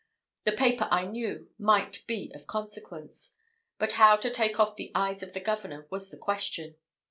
The paper, I knew, might be of consequence; but how to take off the eyes of the governor was the question.